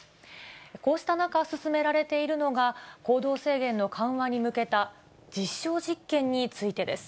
こうした中、進められているのが、行動制限の緩和に向けた実証実験についてです。